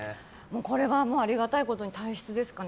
これはもう、ありがたいことに体質ですかね。